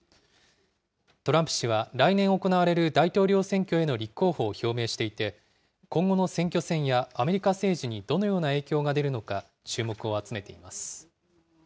トランプ氏は来年行われる大統領選挙への立候補を表明していて、今後の選挙戦やアメリカ政治にどのような影響が出るのか、注目を集めています。